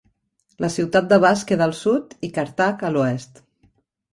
La ciutat de Vass queda al sud i Carthage, a l'oest.